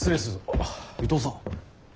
あぁ伊藤さん。